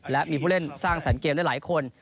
และมีผู้เล่นสร้างสรรคเกมได้หลายคน